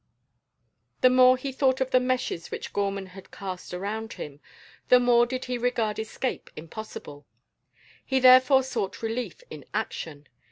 The more he thought of the meshes which Gorman had cast around him, the more did he regard escape impossible. He therefore sought relief in action.